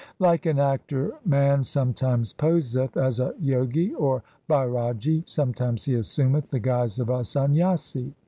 Like an actor man sometimes poseth as a Jogi or Bairagi ; sometimes he assumeth the guise of a Sanyasi.